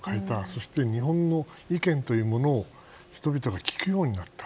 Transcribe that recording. そして、日本の意見というものを聞くようになった。